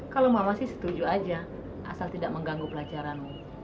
kalau mama sih setuju aja asal tidak mengganggu pelajaran